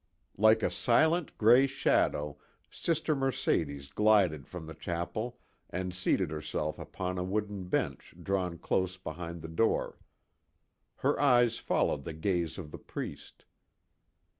Like a silent grey shadow Sister Mercedes glided from the chapel and seated herself upon a wooden bench drawn close beside the door. Her eyes followed the gaze of the priest.